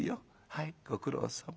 はいご苦労さま。